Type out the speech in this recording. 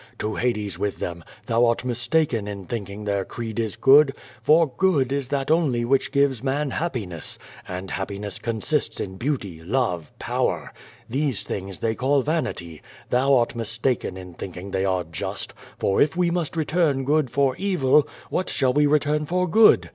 To Hades with them! Thou art mistaken in thinking their creed is good. Pjoii.gaiMLisJhat. only wliichj^i yes jmui J^^ land happiness consists in beaut)', lovc^ power. These tlnngs they call vanity. Tliou art mistakeiTin thinking they are just, for if we must return good for evil, wliat shall we return for good?